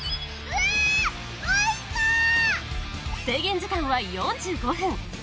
制限時間は４５分。